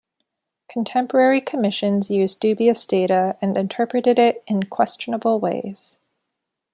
Contemporary commissions used dubious data and interpreted it in questionable ways.